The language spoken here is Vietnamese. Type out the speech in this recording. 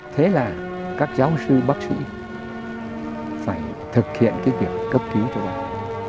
thế là các giáo sư bác sĩ phải thực hiện cái việc cấp cứu cho bác